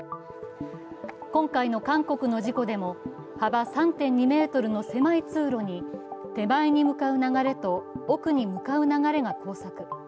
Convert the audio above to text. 今回の韓国の事故でも幅３．２ｍの狭い通路に手前に向かう流れと奥に向かう流れが交錯。